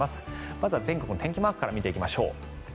まずは全国の天気マークから見ていきましょう。